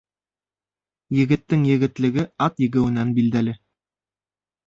Егеттең егетлеге ат егеүенән билдәле.